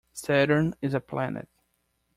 Saturn is a planet.